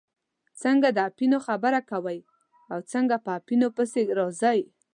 څنګه د اپینو خبره کوئ او څنګه په اپینو پسې راځئ.